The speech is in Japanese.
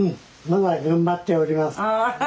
まだ頑張っております。